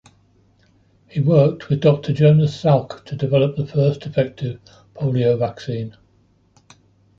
He worked with Doctor Jonas Salk to develop the first effective polio vaccine.